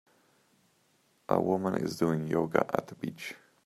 A woman is doing yoga at the beach.